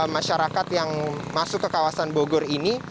masyarakat yang masuk ke kawasan bogor ini